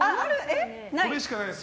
これしかないです。